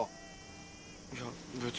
いや別に。